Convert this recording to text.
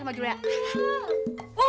jangan jula sama orang